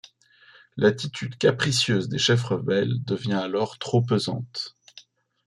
L'attitude capricieuse des chefs rebelles devient alors trop pesante.